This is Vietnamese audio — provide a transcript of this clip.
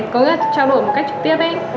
cứ trao đổi một cách trực tiếp ý